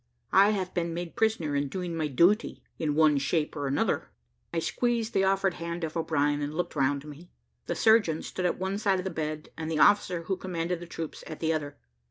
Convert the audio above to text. "I have been made prisoner in doing my duty, in one shape or another." I squeezed the offered hand of O'Brien, and looked round me; the surgeon stood at one side of the bed, and the officer who commanded the troops at the other.